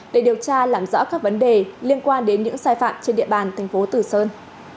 để điều tra làm rõ các vấn đề liên quan đến những sai phạm trên địa bàn thành phố tử sơn